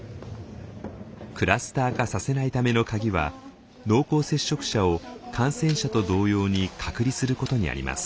クラスター化させないための鍵は濃厚接触者を感染者と同様に隔離することにあります。